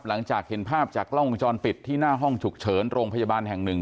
หลังจากเห็นภาพจากกล้องวงจรปิดที่หน้าห้องฉุกเฉินโรงพยาบาลแห่งหนึ่ง